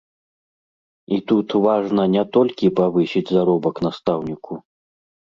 І тут важна не толькі павысіць заробак настаўніку.